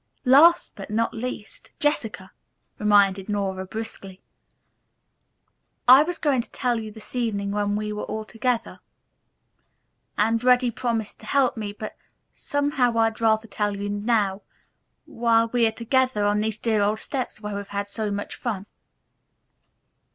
"Last but not least, Jessica," reminded Nora briskly. "I was going to tell you this evening when we were all together, and Reddy promised to help me, but, somehow, I'd rather tell you now, while we are together on these dear old steps where we've had so much fun."